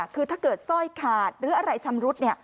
คือถ้าเกิดสร้อยขาดหรืออะไรชำรุด